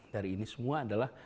dari ini semua adalah